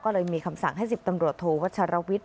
ก็เลยมีคำสั่งให้๑๐ตำรวจโทวัชรวิทย